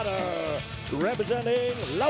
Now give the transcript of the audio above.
มีความรู้สึกว่า